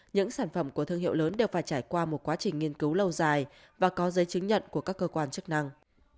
những sản phẩm của thương hiệu lớn đều phải trải qua một quá trình nghiên cứu lâu dài và có giấy chứng nhận của các cơ quan chức năng